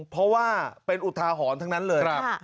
เพราะว่าเป็นอุทาหรณ์ทั้งนั้นเลย